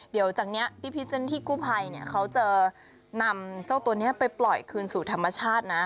เดี๋ยวจากนี้พี่เจ้าหน้าที่กู้ภัยเขาจะนำเจ้าตัวนี้ไปปล่อยคืนสู่ธรรมชาตินะ